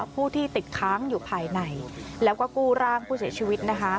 ผู้ที่ติดค้างอยู่ภายในแล้วก็กู้ร่างผู้เสียชีวิต